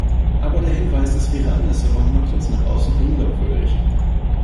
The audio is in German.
Aber der Hinweis, es wäre andersherum, macht uns nach außen unglaubwürdig.